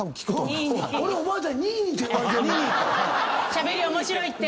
しゃべり面白いって！